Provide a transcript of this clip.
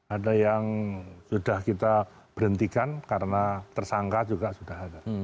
ada yang sudah kita berhentikan karena tersangka juga sudah ada